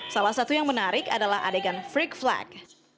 salah satu yang menarik adalah adegan freak flag